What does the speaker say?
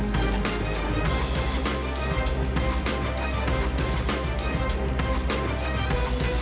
ฐานต่อไปแล้วตัดต่อการของเจ้าทักการท่านเสียอ้วนทั้งหวัดฐานจะมีความสงสัย